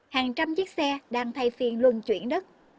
hàng trăm chiếc xe đang thay phiên luân chuyển đất